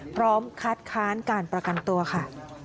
พร้อมคัดค้านการประกันตัวค่ะ